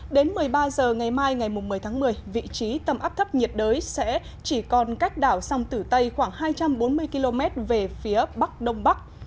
đến một mươi ba h ngày mai ngày một mươi tháng một mươi vị trí tâm áp thấp nhiệt đới sẽ chỉ còn cách đảo sông tử tây khoảng hai trăm bốn mươi km về phía bắc đông bắc